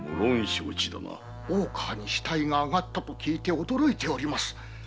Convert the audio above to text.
大川に死体が上がったと聞いて驚いています。